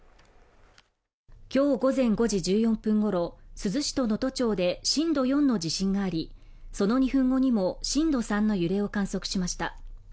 今日午前５時１４分ごろ、珠洲市と能登町で震度４の地震があり、その２分後にも震度３の揺れを観測しました。